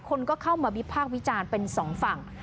คนก็เข้ามาวิพากษ์วิจารณ์เป็นสองฝั่ง